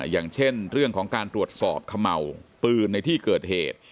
อย่างเช่นเรื่องของการตรวจสอบเขม่าปืนในที่เกิดเหตุ